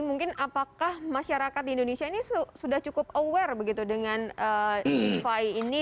mungkin apakah masyarakat di indonesia ini sudah cukup aware begitu dengan defi ini